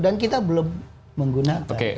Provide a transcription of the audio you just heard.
dan kita belum menggunakan